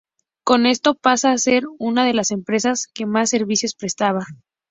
Con esto pasa a ser una de las empresas que más servicios prestaba.